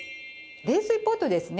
冷水ポットですね。